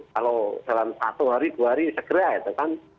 kalau dalam satu hari dua hari segera itu kan